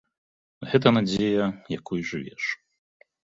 Гэта надзея, якой жывеш.